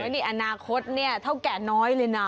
นี่อนาคตเนี่ยเท่าแก่น้อยเลยนะ